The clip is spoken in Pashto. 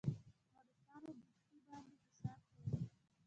پر روسانو دوستي باندې حساب کوي.